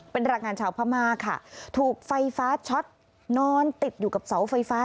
เป็นแรงงานชาวพม่าค่ะถูกไฟฟ้าช็อตนอนติดอยู่กับเสาไฟฟ้า